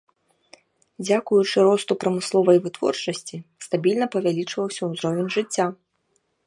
Дзякуючы росту прамысловай вытворчасці стабільна павялічваўся ўзровень жыцця.